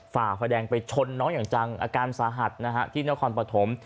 ฝ่าไฟแดงไปชนน้องอย่างจังอาการสาหัสนะฮะที่นครปฐม